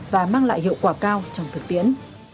và mang lại hiệu quả cao trong thực tiễn